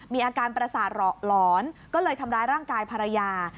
มีอาการประสาทหลอนก็เลยทำร้ายร่างกายภรรยา